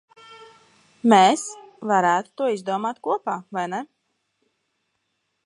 Mēs varētu to izdomāt kopā, vai ne?